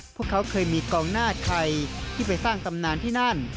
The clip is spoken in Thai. พวกเขาเคยมีกองหน้าใครที่ไปสร้างตำนานที่นั่น